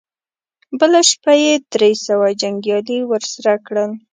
بله شپه يې درې سوه جنګيالي ور سره کړل.